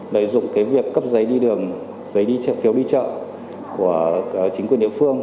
lợi dụng cái việc cấp giấy đi đường giấy phiếu đi chợ của chính quyền địa phương